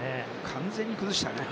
完全に崩したね。